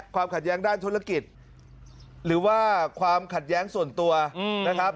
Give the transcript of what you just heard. ความขัดแย้งด้านธุรกิจหรือว่าความขัดแย้งส่วนตัวนะครับ